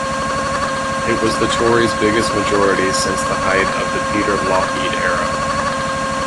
It was the Tories' biggest majority since the height of the Peter Lougheed era.